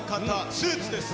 スーツです。